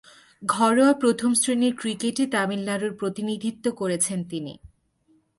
ঘরোয়া প্রথম-শ্রেণীর ক্রিকেটে তামিলনাড়ুর প্রতিনিধিত্ব করেছেন তিনি।